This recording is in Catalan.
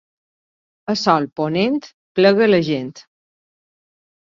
A sol ponent, plega la gent.